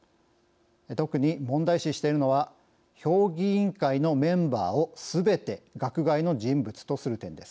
特に問題視しているのは評議員会のメンバーをすべて学外の人物とする点です。